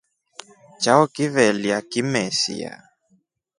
Chao kivelya kimesia.